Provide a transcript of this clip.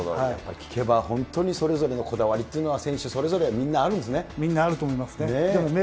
聞けば本当にそれぞれのこだわりっていうのは、みんなあると思いますね。